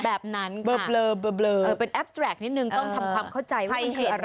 แบบนั้นค่ะเป็นแอปส์แทรกนิดนึงต้องทำความเข้าใจว่ามันคืออะไรค่ะ